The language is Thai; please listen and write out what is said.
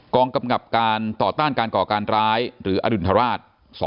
กำกับการต่อต้านการก่อการร้ายหรืออดุลทราช๒๕๖